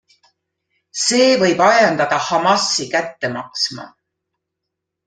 See võib ajendada Hamasi kätte maksma.